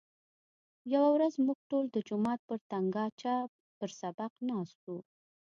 یوه ورځ موږ ټول د جومات پر تنګاچه پر سبق ناست وو.